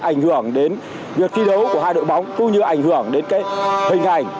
ảnh hưởng đến việc thi đấu của hai đội bóng cũng như ảnh hưởng đến cái hình ảnh